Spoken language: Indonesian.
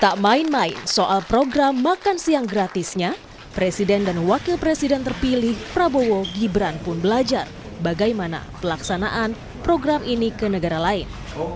tak main main soal program makan siang gratisnya presiden dan wakil presiden terpilih prabowo gibran pun belajar bagaimana pelaksanaan program ini ke negara lain